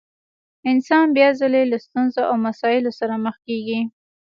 انسان بيا ځلې له ستونزو او مسايلو سره مخ کېږي.